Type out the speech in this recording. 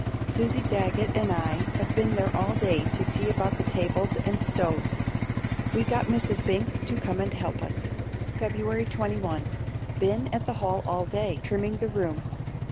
Susie Daggett and I have been there all day to see about the tables and stoves. We got Mrs. Binks to come and help us. February 21. Been at the hall all day, trimming the room.